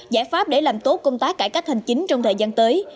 giải pháp để làm tốt công tác cải cách hành chính trong thời gian tới